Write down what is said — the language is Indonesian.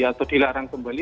atau dilarang kembali